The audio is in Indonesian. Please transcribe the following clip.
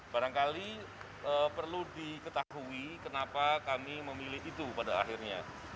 barangkali perlu diketahui kenapa kami memilih itu pada akhirnya